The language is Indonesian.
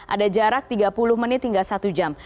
ada jarak tiga puluh menit hingga satu jam